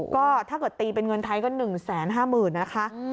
ก็ถ้าเกิดตีเป็นเงินไทยก็๑๕๐๐๐นะคะ